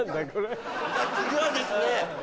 じゃ次はですね。